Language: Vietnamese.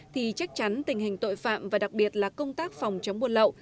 thì chắc chắn tình hình tội phạm và đặc biệt là công tác phòng chống buôn lậu